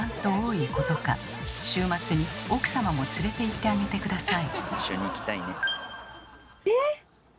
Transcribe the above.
週末に奥様も連れていってあげて下さい。